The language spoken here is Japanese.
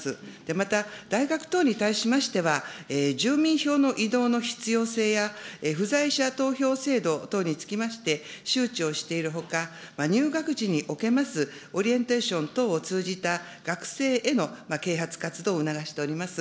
また大学等に対しましては、住民票の異動の必要性や、不在者投票制度等につきまして、周知をしているほか、入学時におけますオリエンテーション等を通じた学生への啓発活動を促しております。